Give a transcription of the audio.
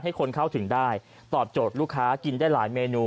ให้คนเข้าถึงได้ตอบโจทย์ลูกค้ากินได้หลายเมนู